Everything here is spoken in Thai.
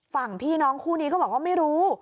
ฝั่งพี่น้องคู่นี้ก็บอกว่าไม่รู้